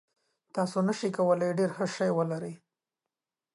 تاسو نشئ کولی ډیر ښه شی ولرئ.